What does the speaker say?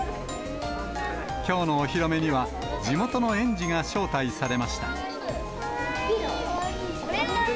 きょうのお披露目には、地元の園児が招待されました。